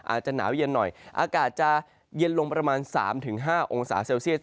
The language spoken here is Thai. อาจจะหนาวเย็นหน่อยอากาศจะเย็นลงประมาณ๓๕องศาเซลเซียส